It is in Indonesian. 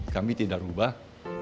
kami tidak ubah